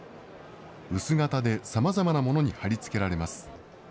薄型でさまざまなものに貼り付けられます。